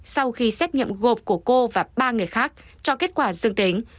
sau khi xét nghiệm gộp của cô và ba người khác cho kết quả dương tính